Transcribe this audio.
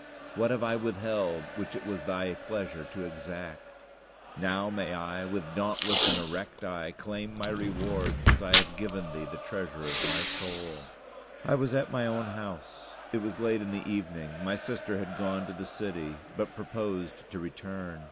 What have I withheld which it was Thy pleasure to exact? Now may I, with dauntless and erect eye, claim my reward, since I have given Thee the treasure of my soul. I was at my own house; it was late in the evening; my sister had gone to the city, but proposed to return.